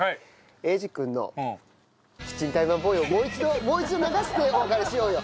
英二君のキッチンタイマーボーイをもう一度もう一度流してお別れしようよ。